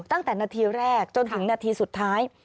ตั้งแต่นาทีแรกจนถึงนาทีสุดท้าย